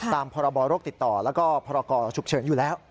ตามพรบโรคติดต่อแล้วก็พรกรฉุกเฉินอยู่แล้ว